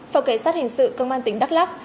phòng cảnh sát hình sự công an tỉnh đắk lắc